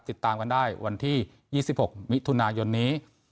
ติดตามกันได้วันที่๒๖มิถุนายนนี้